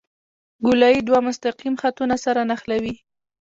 ګولایي دوه مستقیم خطونه سره نښلوي